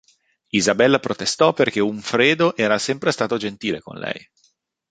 Isabella protestò perché Umfredo era sempre stato gentile con lei.